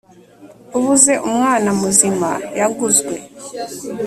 ubuze umwana muzima yaguzwe.